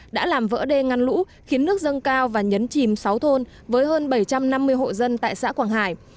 đã làm vỡ đê ngăn lũ khiến nước dâng cao và nhấn chìm sáu thôn với hơn bảy trăm năm mươi hộ dân tại xã quảng hải